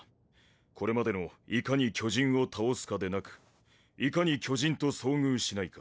これまでのいかに巨人を倒すかでなくいかに巨人と遭遇しないか